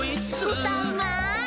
「うたうまい！」